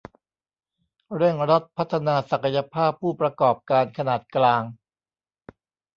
เร่งรัดพัฒนาศักยภาพผู้ประกอบการขนาดกลาง